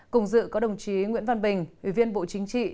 cùng dự có đồng chí nguyễn văn bình ủy viên bộ chính trị